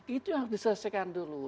itu yang diselesaikan dulu